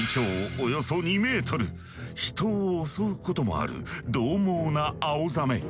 およそ２メートル人を襲うこともあるどう猛なアオザメ。